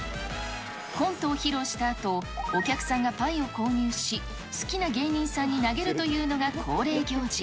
コントを披露したあと、お客さんがパイを購入し、好きな芸人さんに投げるというのが恒例行事。